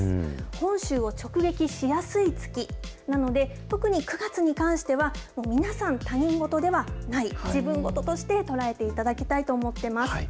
本州を直撃しやすい月なので、特に９月に関しては、皆さん、他人事ではない、自分事として捉えていただきたいと思ってます。